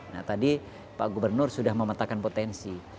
nah tadi pak gubernur sudah memetakan potensi